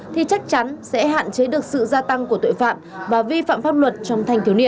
thì chắc chắn sẽ hạn chế được sự gia tăng của tội phạm